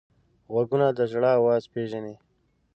غوږونه د ژړا اواز پېژني